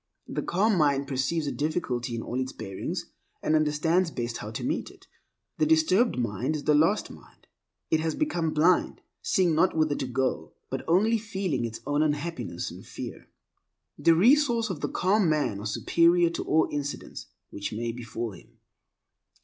The calm mind perceives a difficulty in all its bearings and understands best how to meet it. The disturbed mind is the lost mind. It has become blind, seeing not whither to go, but only feeling its own unhappiness and fear. The resources of the calm man are superior to all incidents which may befall him.